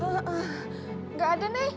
nggak ada nek